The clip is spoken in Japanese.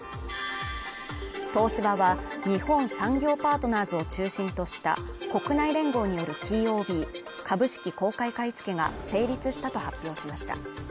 東芝は日本産業パートナーズを中心とした国内連合によるＴＯＢ＝株式公開買い付けが成立したと発表しました